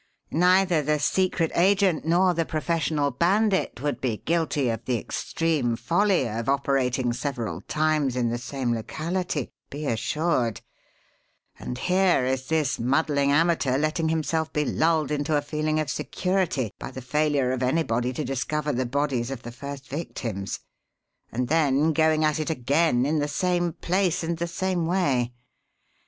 Neither the secret agent nor the professional bandit would be guilty of the extreme folly of operating several times in the same locality, be assured; and here is this muddling amateur letting himself be lulled into a feeling of security by the failure of anybody to discover the bodies of the first victims, and then going at it again in the same place and the same way.